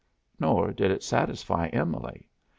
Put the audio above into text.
Nor did it satisfy Emily.